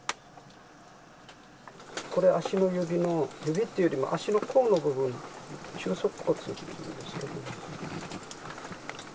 これ、足の指の、指っていうよりも、足の甲の部分、中足骨ですね。